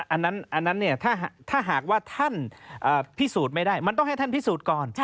อันนั้นเนี่ยถ้าหากว่าท่านพิสูจน์ไม่ได้มันต้องให้ท่านพิสูจน์ก่อน